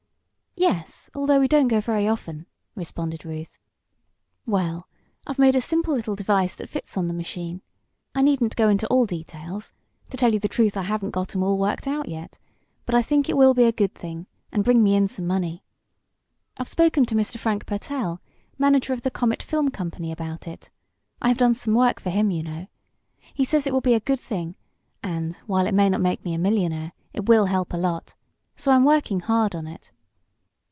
"Yes; though we don't go very often," responded Ruth. "Well, I've made a simple little device that fits on the machine. I needn't go into all details to tell you the truth I haven't got 'em all worked out yet; but I think it will be a good thing, and bring me in some money. "I've spoken to Mr. Frank Pertell, manager of the Comet Film Company, about it. I have done some work for him, you know. He says it will be a good thing, and, while it may not make me a millionaire, it will help a lot. So I'm working hard on it."